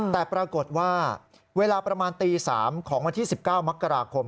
แต่ปรากฏว่าเวลาประมาณตี๓ของวันที่๑๙มกราคม